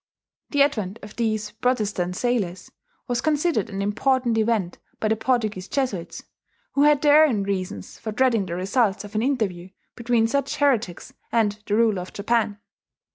The advent of these Protestant sailors was considered an important event by the Portuguese Jesuits, who had their own reasons for dreading the results of an interview between such heretics and the ruler of Japan.